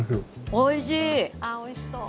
おいしい！